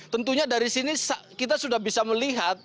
tentunya dari sini kita sudah bisa melihat